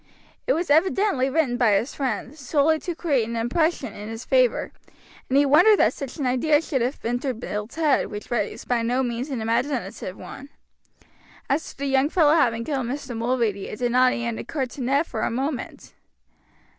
It was evidently written by his friend, solely to create an impression in his favor, and he wondered that such an idea should have entered Bill's head, which was by no means an imaginative one. As to the young fellow having killed Mr. Mulready it did not even occur to Ned for a moment.